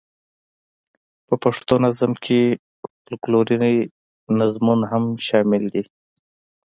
په پښتو نظم کې فوکلوري نظمونه هم شامل دي.